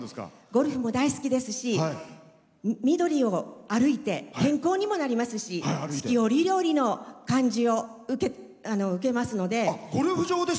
ゴルフも大好きですし緑を歩いて健康にもなりますし四季折々の感じを受けますので。